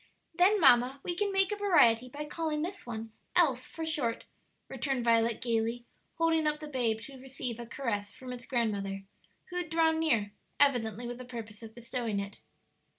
"Then, mamma, we can make a variety by calling this one Else for short," returned Violet, gayly, holding up the babe to receive a caress from its grandmother, who had drawn near, evidently with the purpose of bestowing it.